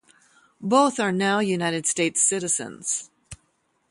Both are now United States citizens.